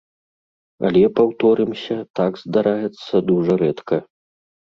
Але, паўторымся, так здараецца дужа рэдка.